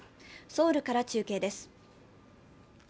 ソウルから中継です。